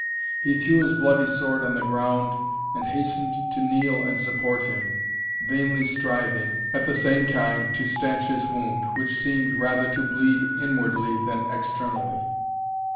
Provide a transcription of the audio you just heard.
He threw his bloody sword on the ground, and hastened to kneel and support him, vainly striving, at the same time, to stanch his wound, which seemed rather to bleed inwardly than externally.